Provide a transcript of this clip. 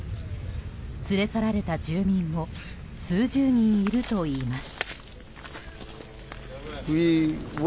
連れ去られた住民も数十人いるといいます。